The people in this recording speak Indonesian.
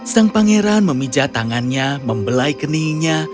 sang pangeran memija tangannya membelai keningnya